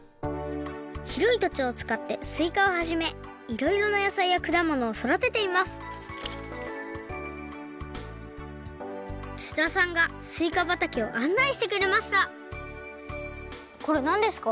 ひろいとちをつかってすいかをはじめいろいろなやさいやくだものをそだてています津田さんがすいかばたけをあんないしてくれましたこれなんですか？